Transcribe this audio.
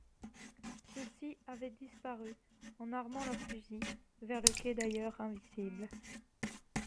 Ceux-ci avaient disparu, en armant leurs fusils, vers le quai d'ailleurs invisible.